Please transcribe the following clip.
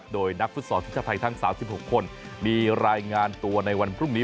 โดยนักฟุตซอลทีมชาติไทยทั้ง๓๖คนมีรายงานตัวในวันพรุ่งนี้